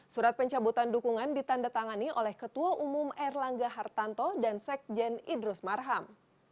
surat pencabutan dukungan ditandatangani oleh ketua umum erlangga hartanto dan sekjen idrus marham